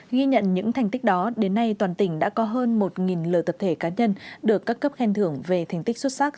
ghi nhận những thành tích đó đến nay toàn tỉnh đã có hơn một lượt tập thể cá nhân được các cấp khen thưởng về thành tích xuất sắc